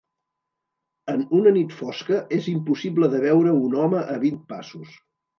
En una nit fosca és impossible de veure un home a vint passos.